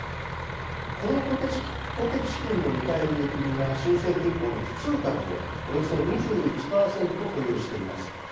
この公的資金の見返りに国は新生銀行の普通株をおよそ２１％保有しています。